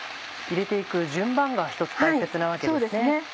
入れて行く順番がひとつ大切なわけですね。